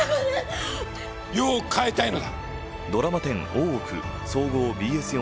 世を変えたいのだ。